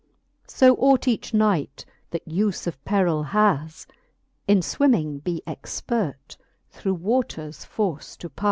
So ought each knight, that ufe of perill has. In fwimming be expert through waters force to pas.